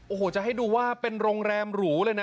โอ้โหจะให้ดูว่าเป็นโรงแรมหรูเลยนะ